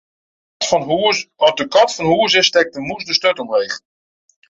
As de kat fan hûs is, stekt de mûs de sturt omheech.